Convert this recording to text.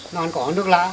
nó ăn cỏ nước lã